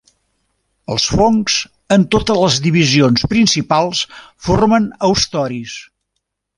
Els fongs, en totes les divisions principals, formen haustoris.